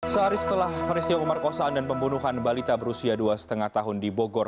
sehari setelah peristiwa pemerkosaan dan pembunuhan balita berusia dua lima tahun di bogor